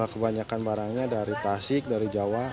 kebanyakan barangnya dari tasik dari jawa